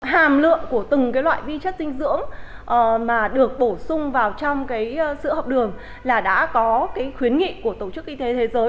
hàm lượng của từng loại vi chất dinh dưỡng mà được bổ sung vào trong sữa học đường là đã có cái khuyến nghị của tổ chức y tế thế giới